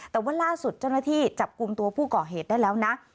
แต่ว่าล่าสุดเจ้าหน้าที่จับกลุ่มตัวผู้ก่อเหตุได้แล้วนะ